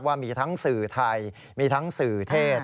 ว่ามีทั้งสื่อไทยมีทั้งสื่อเทศ